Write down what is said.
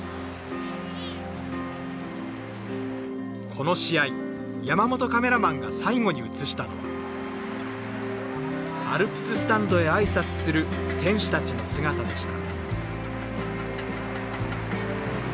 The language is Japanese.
この試合、山本カメラマンが最後に映したのはアルプススタンドへあいさつする選手たちの姿でした。